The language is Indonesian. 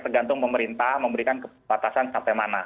tergantung pemerintah memberikan kebatasan sampai mana